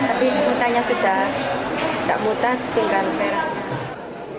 tapi muntahnya sudah tidak muntah tinggal berat